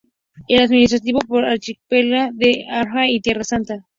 Es administrado por el archieparca de Haifa y Tierra Santa.